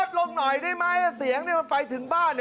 ก็ตอบว่ารอดลงหน่อยได้ไหมเสียงนี่มันไปถึงบ้าน